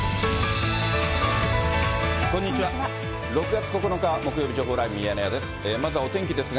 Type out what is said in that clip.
６月９日木曜日、情報ライブミヤネ屋です。